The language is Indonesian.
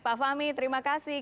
pak fahmi terima kasih